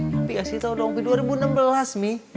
tapi kasih tau dong dua ribu enam belas mi